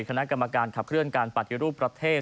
คณะกรรมการขับเคลื่อนการปฏิรูปประเทศ